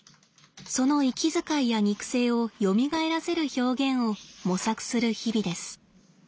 その息遣いや肉声をよみがえらせる表現を模索する日々です。